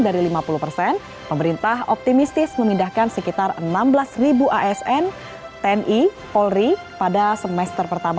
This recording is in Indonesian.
dan ada seluas dari lima puluh persen pemerintah optimistis memindahkan sekitar enam belas asn sepuluh i polri pada semester pertama dua ribu dua puluh empat